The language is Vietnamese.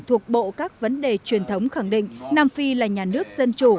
thuộc bộ các vấn đề truyền thống khẳng định nam phi là nhà nước dân chủ